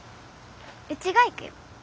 うちが行くよ。